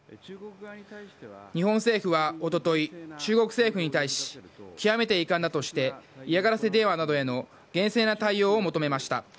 日本政府はおととい、中国政府に対し、極めて遺憾だとして、嫌がらせ電話などへの厳正な対応を求めました。